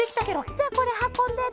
じゃあこれはこんでね。